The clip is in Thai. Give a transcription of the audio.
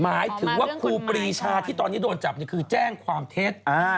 หมายถึงว่าครูปรีชาที่ตอนนี้โดนจับคือแจ้งความเท็จ